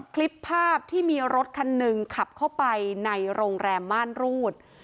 คลิปภาพที่มีรถคันหนึ่งขับเข้าไปในโรงแรมม่านรูด